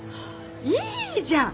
いいじゃん！